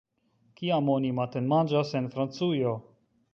Kiam oni matenmanĝas en Francujo?